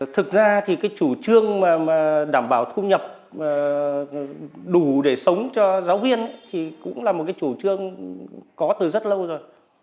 thực ra thì cái chủ trương mà đảm bảo thu nhập đủ để sống cho giáo viên thì cũng là một cái chủ trương có từ rất lâu rồi